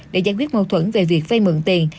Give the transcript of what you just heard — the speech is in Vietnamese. để giải quyết mâu thuẫn về việc vay mượn tiền